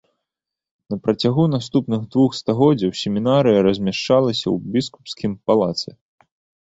На працягу наступных двух стагоддзяў семінарыя размяшчалася ў біскупскім палацы.